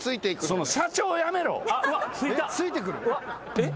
えっ？